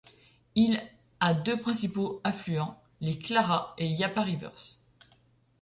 Il a deux principaux affluents, les Clara et Yappar Rivers.